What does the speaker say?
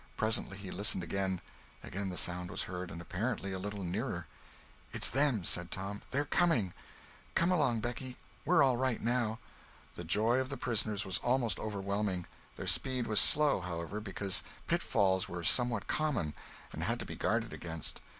Presently he listened again; again the sound was heard, and apparently a little nearer. "It's them!" said Tom; "they're coming! Come along, Becky—we're all right now!" The joy of the prisoners was almost overwhelming. Their speed was slow, however, because pitfalls were somewhat common, and had to be guarded against.